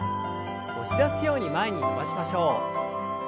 押し出すように前に伸ばしましょう。